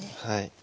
はい。